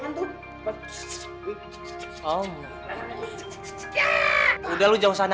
maaf jangan mengganggu sani ga sempet ya